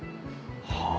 はあ。